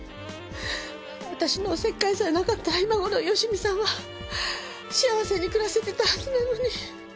私のお節介さえなかったら今頃芳美さんは幸せに暮らせてたはずなのに。